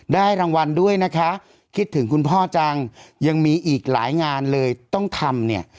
รางวัลด้วยนะคะคิดถึงคุณพ่อจังยังมีอีกหลายงานเลยต้องทำเนี่ย